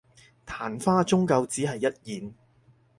曇花終究只係一現